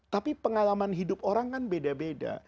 tapi pengalaman hidup orang kan beda beda